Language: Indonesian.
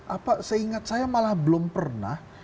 apa seingat saya malah belum pernah